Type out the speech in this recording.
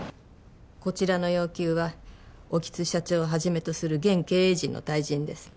こちらの要求は興津社長をはじめとする現経営陣の退陣です